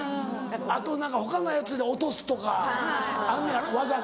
あと他のやつで落とすとかあんねやろ技が。